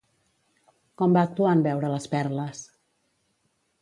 Com va actuar en veure les perles?